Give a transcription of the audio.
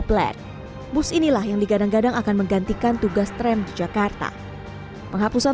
plan bus inilah yang digadang gadang akan menggantikan tugas tram di jakarta penghapusan